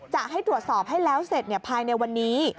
จะให้ตรวจสอบให้แล้วเสร็จภายในวันนี้